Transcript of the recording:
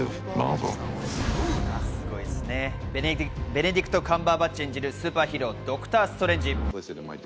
ベネディクト・カンバーバッチ演じるスーパーヒーロー、ドクター・ストレンジ。